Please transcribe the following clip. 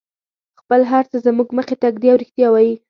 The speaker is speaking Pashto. خپل هر څه زموږ مخې ته ږدي او رښتیا وایي.